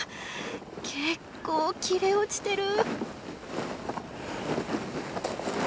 結構切れ落ちてる！